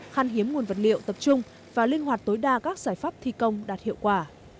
khăn hiếm nguồn vật liệu tập trung và linh hoạt tối đa các giải pháp thi công đạt hiệu quả